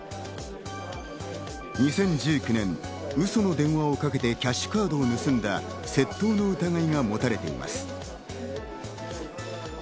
２０１９年、ウソの電話をかけて、キャッシュカードを盗んだ窃盗の疑いが持たれています。